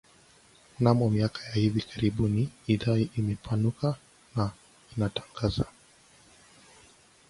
Mnamo miaka ya hivi karibuni idhaa imepanuka na inatangaza